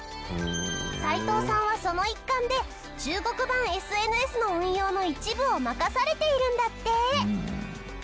斎藤さんはその一環で中国版ＳＮＳの運用の一部を任されているんだって！